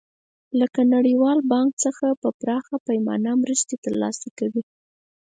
لکه نړیوال بانک څخه په پراخه پیمانه مرستې تر لاسه کوي.